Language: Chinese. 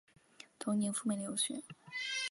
同年赴美留学。